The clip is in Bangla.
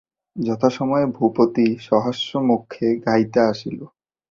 যথাসময়ে ভূপতি সহাস্যমুখে খাইতে আসিল।